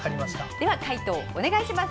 では解答お願いします。